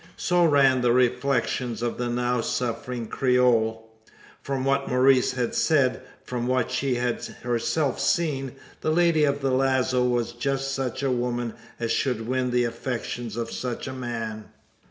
So ran the reflections of the now suffering Creole. From what Maurice had said from what she had herself seen the lady of the lazo was just such a woman as should win the affections of such a man.